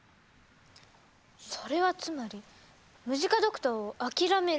それはつまりムジカドクターを諦めるってこと？